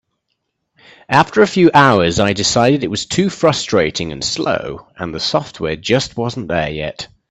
After a few hours I decided it was too frustrating and slow, and the software just wasn't there yet.